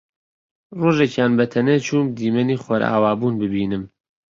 ڕۆژێکیان بەتەنێ چووم دیمەنی خۆرئاوابوون ببینم